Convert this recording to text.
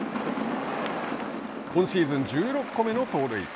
今シーズン１６個目の盗塁。